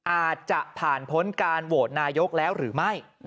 อาจจะผ่านพ้นการโหวตนายกแล้วหรือไม่